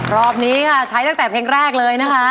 รอบนี้ค่ะใช้ตั้งแต่เพลงแรกเลยนะคะ